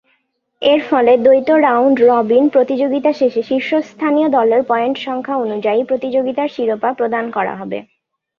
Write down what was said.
এরফলে দ্বৈত রাউন্ড-রবিন প্রতিযোগিতা শেষে শীর্ষস্থানীয় দলের পয়েন্ট সংখ্যা অনুযায়ী প্রতিযোগিতার শিরোপা প্রদান করা হবে।